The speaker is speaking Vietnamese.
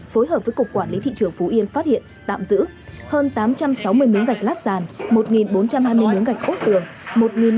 phối hợp với cục quản lý thị trường phú yên phát hiện tạm giữ hơn tám trăm sáu mươi miếng gạch lát sàn một bốn trăm hai mươi miếng gạch ốt tường